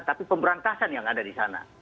tapi pemberantasan yang ada di sana